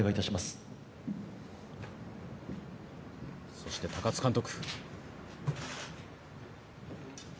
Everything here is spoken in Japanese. そして高津監督。